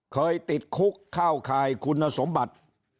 เคยติดคุกเข้าข่ายคุณสมบัติ